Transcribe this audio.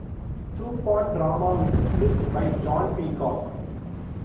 Two-part drama with a script by John Peacock.